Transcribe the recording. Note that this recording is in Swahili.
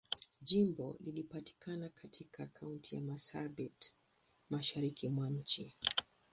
Jimbo linapatikana katika Kaunti ya Marsabit, Mashariki mwa nchi.